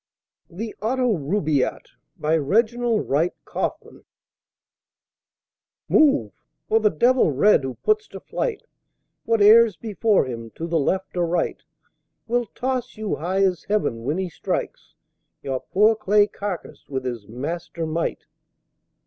THE AUTO RUBAIYAT BY REGINALD WRIGHT KAUFFMAN Move! Or the Devil Red who puts to flight Whate'er's before him, to the Left or Right, Will toss you high as Heaven when he strikes Your poor clay carcass with his master might!